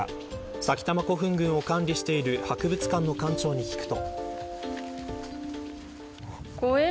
埼玉古墳群を管理している博物館の館長に聞くと。